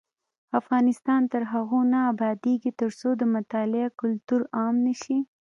افغانستان تر هغو نه ابادیږي، ترڅو د مطالعې کلتور عام نشي.